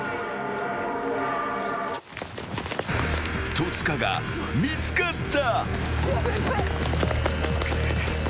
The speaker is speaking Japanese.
［戸塚が見つかった］